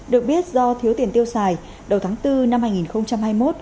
được biết do thiếu tiền tiêu xài đầu tháng bốn năm hai nghìn hai mươi một